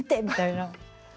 みたいな。